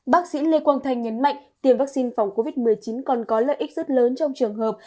bác sĩ lê quang thanh nhấn mạnh tiêm vaccine phòng covid một mươi chín còn có lợi ích rất lớn trong trường hợp